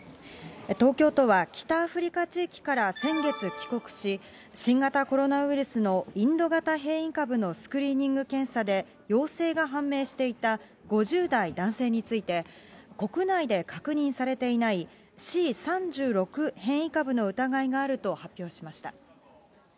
東京都は北アフリカ地域から先月帰国し、新型コロナウイルスのインド型変異株のスクリーニング検査で、陽性が判明していた５０代男性について、国内で確認されていない、Ｃ３６変異株の疑いがあると発表しました。